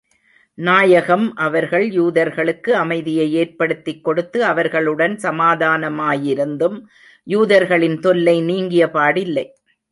நாயகம் அவர்கள், யூதர்களுக்கு அமைதியை ஏற்படுத்திக் கொடுத்து, அவர்களுடன் சமாதானமாயிருந்தும், யூதர்களின் தொல்லை நீங்கியபாடில்லை.